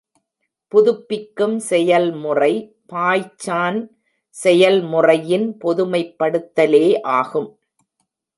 புதுப்பிக்கும் செயல்முறை பாய்சான் செயல்முறையின் பொதுமைப்படுத்தலே ஆகும்.